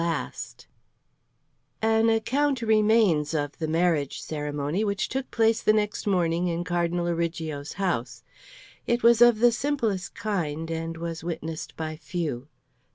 CHAPTER XXV An account remains of the marriage ceremony, which took place the next morning in Cardinal Origo's house. It was of the simplest kind and was witnessed by few.